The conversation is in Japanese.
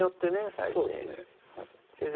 最近そうですね先生